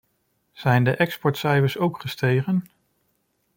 Zijn de exportcijfers ook gestegen?